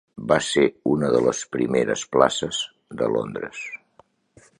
Va ser una de les primeres places de Londres.